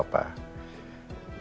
bukan di rumah papa